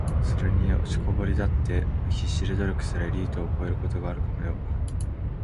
｢それによ……落ちこぼれだって必死で努力すりゃエリートを超えることがあるかもよ｣